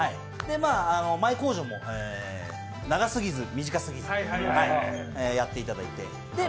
前口上も長すぎず、短すぎずやっていただいて。